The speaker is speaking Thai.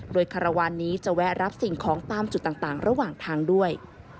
โดยคารวาลนี้จะแวะรับสิ่งของตามจุดต่างระหว่างทางด้วย